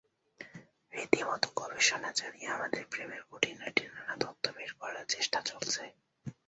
রীতিমতো গবেষণা চালিয়ে আমাদের প্রেমের খুঁটিনাটি নানা তথ্য বের করার চেষ্টা চলছে।